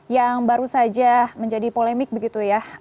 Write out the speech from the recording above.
yang baru saja menjadi polemik begitu ya